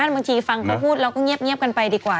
บางทีฟังเขาพูดแล้วก็เงียบกันไปดีกว่า